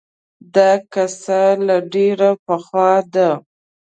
دا قصه له ډېر پخوا ده